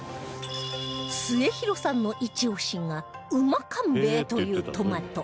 末廣さんのイチ押しがうまかんベェというトマト